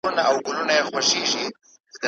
په لاس لیکل د معلوماتو تنظیمول اسانه کوي.